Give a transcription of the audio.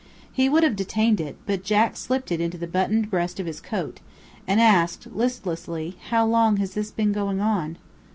He would have detained it, but Jack slipped it into the buttoned breast of his coat, and asked, listlessly, "How long has this been going on?"